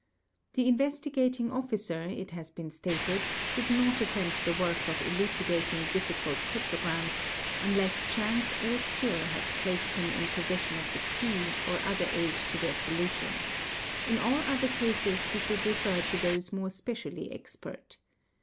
The In — vestigating Officer, it has been stated, should not attempt the work of ~ elucidating difficult cryptograms unless chance or skill have placed him ~ in possession of the key or other aid to their solution; in all other — cases he should refer to those more specially expert.